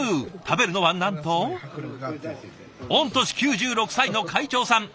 食べるのはなんと御年９６歳の会長さん。